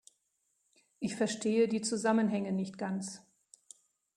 Ich verstehe die Zusammenhänge nicht ganz.